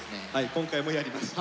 今回もやります。